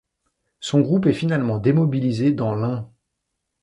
Son groupe est finalement démobilisé dans l'Ain.